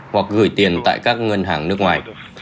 hoặc gửi tiền tại các ngân hàng nước ngoài